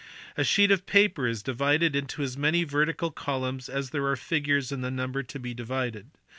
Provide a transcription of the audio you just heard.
A sheet of paper is divided into as many vertical columns as there are figures in the number to be divided.